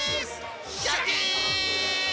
シャキーン！